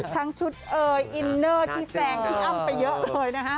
ทั้งชุดเอ่ยอินเนอร์ที่แซงพี่อ้ำไปเยอะเลยนะฮะ